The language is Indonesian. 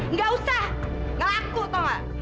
nggak usah ngelaku tau gak